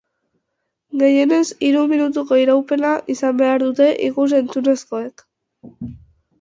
Gehienez hiru minutuko iraupena izan behar dute ikus-entzunezkoek.